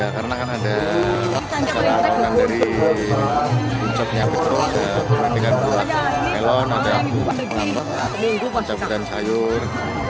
karena kan ada acara acara dari bucah penyakit ada perpintingan buah melon ada yang mengambil buah sayur